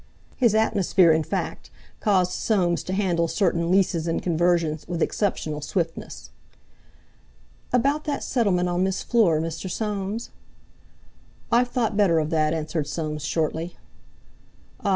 His atmosphere in fact caused Soames to handle certain leases and conversions with exceptional swiftness. "About that settlement on Miss Fleur, Mr. Soames?" "I've thought better of that," answered Soames shortly. "Ah!